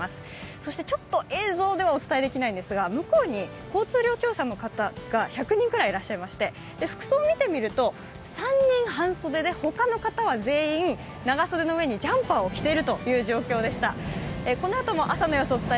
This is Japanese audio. そして映像ではお伝えできないんですが、向こうに交通量調査の方が１００人くらいいらっしゃいまして、服装を見てみると、３人半袖で、他の方は全員長袖の上にジャンパーを着ているという状況でした。